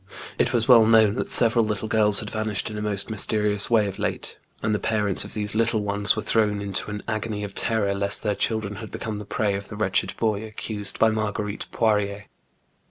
It was well known that several little girls had vanished in a most mysterious way. of late, and the parents of these little ones were thrown into an agony of terror lest their children had become the prey of the wretched boy accused by Mar guerite Poirier.